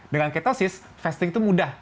dengan ketosis fasting itu mudah